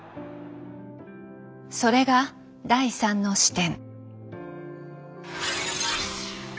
それが第３の視点。